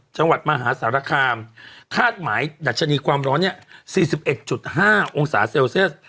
ชาวัดมหาสารคามคาดหมายดัชนีความร้อนเนี้ยสี่สิบเอ็ดจุดห้าองศาเซลเซียส